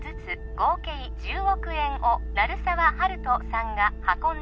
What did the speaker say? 合計１０億円を鳴沢温人さんが運んで